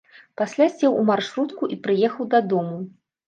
Пасля сеў у маршрутку і прыехаў дадому.